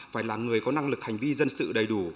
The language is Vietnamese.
phải là người có năng lực hành vi dân sự đầy đủ